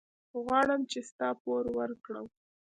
غواړم چې ستا پور ورکړم.